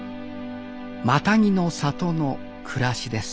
マタギの里の暮らしです